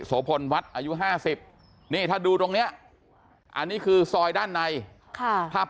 โพลวัดอายุ๕๐นี่ถ้าดูตรงนี้อันนี้คือซอยด้านในภาพ